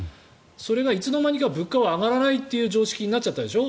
それがいつの間にか物価は上がらないという常識になっちゃったでしょ